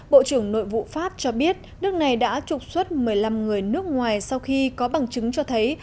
bộ trưởng nội vụ pháp cho biết nước này đã trục xuất một mươi năm người nước ngoài sau khi có bằng chứng cho thấy